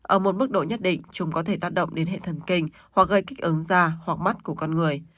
ở một mức độ nhất định chúng có thể tác động đến hệ thần kinh hoặc gây kích ứng da hoặc mắt của con người